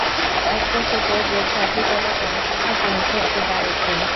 এক দশকে যে ছয়টি জেলার জনসংখ্যা কমেছে এটি তার একটি।